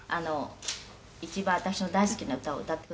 「一番私の大好きな歌を歌ってくださるって」